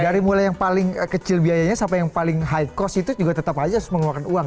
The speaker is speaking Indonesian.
dari mulai yang paling kecil biayanya sampai yang paling high cost itu juga tetap aja harus mengeluarkan uang